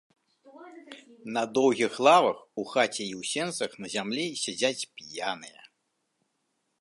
На доўгіх лавах у хаце і ў сенцах на зямлі сядзяць п'яныя.